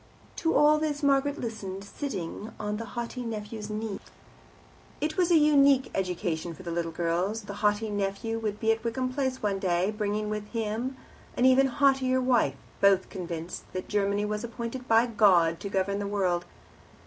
To all this Margaret listened, sitting on the haughty nephew's knee. It was a unique education for the little girls. The haughty nephew would be at Wickham Place one day, bringing with him an even haughtier wife, both convinced that Germany was appointed by God to govern the world.